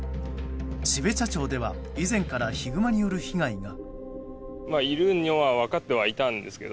標茶町では以前からヒグマによる被害が。